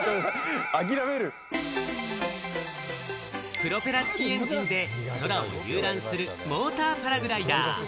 プロペラ付きエンジンで空を遊覧するモーターパラグライダー。